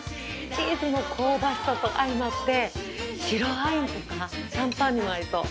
チーズの香ばしさと相まって白ワインとかシャンパンにも合いそう。